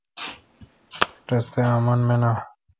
رستہ آمن مینا۔